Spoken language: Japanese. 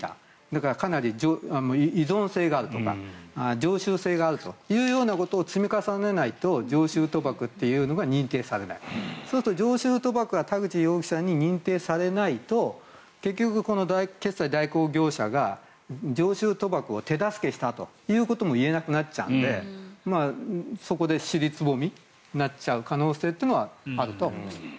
だから、依存性があるとか常習性があるということを積み重ねないと常習賭博というのが認定されないそうすると常習賭博が田口容疑者に認定されないと結局、この決済代行業者が常習賭博を手助けしたということも言えなくなっちゃうのでそこで尻すぼみになっちゃう可能性はあると思います。